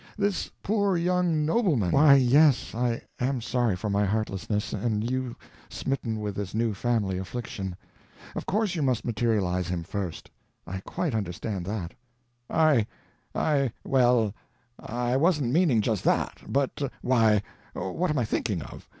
This poor young nobleman—" "Why, yes, I am sorry for my heartlessness, and you smitten with this new family affliction. Of course you must materialize him first—I quite understand that." "I—I—well, I wasn't meaning just that, but,—why, what am I thinking of!